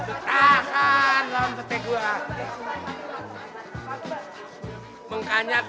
udah babe jangan tinggalin ayik